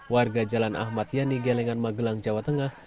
warga jalan ahmad yani gelengan magelang jawa tengah